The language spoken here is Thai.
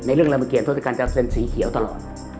เรื่องรามเกียรทศกัณจะเซ็นสีเขียวตลอด